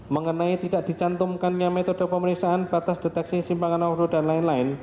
mengenai tidak dicantumkannya metode pemeriksaan batas deteksi simpangan overload dan lain lain